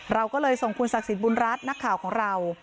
เราก็เลยส่งคุณศักดิ์สิทธิบุญรัฐนักข่าวของเรา